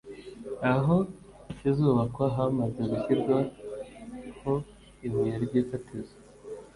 aho kizubakwa hamaze gushyirwaho ibuye ry’ifatizo